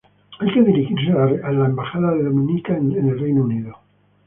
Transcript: Hay que dirigirse a la Embajada de Dominica en Reino Unido.